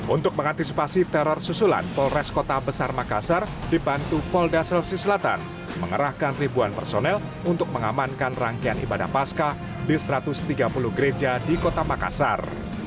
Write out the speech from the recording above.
untuk mengantisipasi teror susulan polres kota besar makassar dibantu polda sulawesi selatan mengerahkan ribuan personel untuk mengamankan rangkaian ibadah pasca di satu ratus tiga puluh gereja di kota makassar